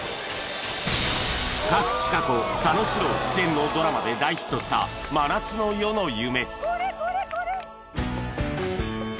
賀来千香子佐野史郎出演のドラマで大ヒットした『真夏の夜の夢』